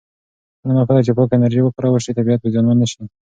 کله نا کله چې پاکه انرژي وکارول شي، طبیعت به زیانمن نه شي.